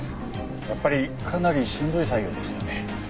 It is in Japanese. やっぱりかなりしんどい作業ですよね。